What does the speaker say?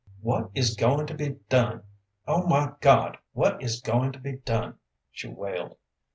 "What is goin' to be done? Oh, my God, what is goin' to be done?" she wailed.